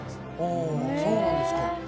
おそうなんですか。え。